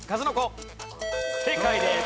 正解です。